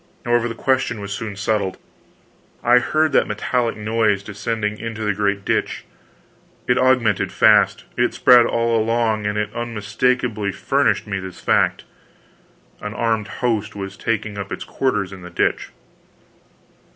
However, the question was soon settled. I heard that metallic noise descending into the great ditch. It augmented fast, it spread all along, and it unmistakably furnished me this fact: an armed host was taking up its quarters in the ditch.